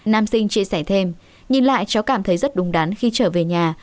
nam sinh chia sẻ thêm nhìn lại cháu cảm thấy rất đúng đắn khi trở về nhà